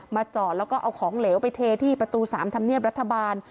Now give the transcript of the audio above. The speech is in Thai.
จอดแล้วก็เอาของเหลวไปเทที่ประตู๓ธรรมเนียบรัฐบาล